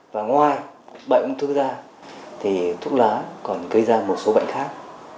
và ngoài bệnh ung thư da thì thuốc lá còn gây ra một số bệnh khác